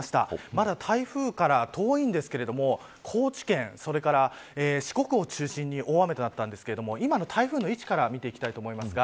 まだ台風から遠いんですけど高知県、それから四国を中心に大雨となったんですけれども今の台風の位置から見ていきたいと思います。